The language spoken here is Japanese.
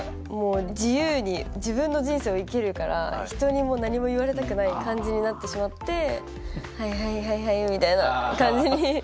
もう自由に自分の人生を生きるから人にもう何も言われたくない感じになってしまってはいはいはいはいみたいな感じに。